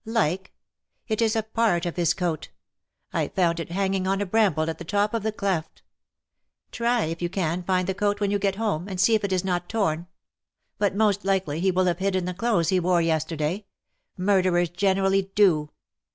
''^" Like ? It is a part of his coat. I found it hanging on a bramble, at the top of the cleft. Try if you can find the coat when you get home, and see if it is not torn. But most likely he will have hidden the clothes he wore yesterday. Murderers generally do."